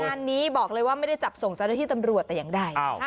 งานนี้บอกเลยว่าไม่ได้จับส่งเจ้าหน้าที่ตำรวจแต่อย่างใด